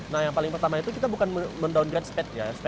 nah yang paling pertama itu kita bukan men downgrade speknya